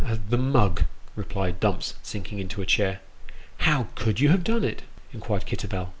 Yes, the mug !" replied Dumps, sinking into a chair. " How could you have done it ?" inquired Kitterbell.